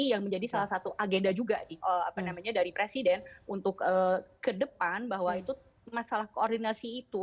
yang menjadi salah satu agenda juga dari presiden untuk ke depan bahwa itu masalah koordinasi itu